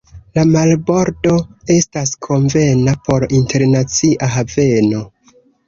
La marbordo estas konvena por internacia haveno.